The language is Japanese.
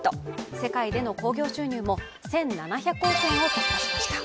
世界での興行収入も１７００億円を突破しました。